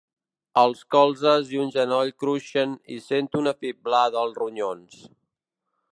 Els colzes i un genoll cruixen i sento una fiblada als ronyons.